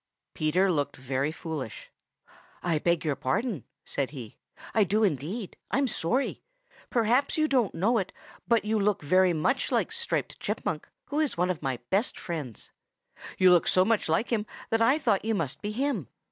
Peter looked very foolish. "I beg your pardon," said he. "I do indeed. I'm sorry. Perhaps you don't know it, but you look very much like Striped Chipmunk, who is one of my best friends. You look so much like him that I thought you must be him.